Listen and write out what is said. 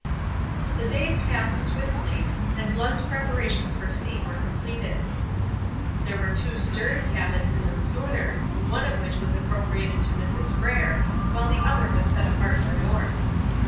The days passed swiftly, and Blunt's preparations for sea were completed. There were two stern cabins in the schooner, one of which was appropriated to Mrs. Frere, while the other was set apart for North.